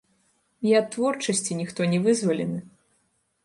І ад творчасці ніхто не вызвалены!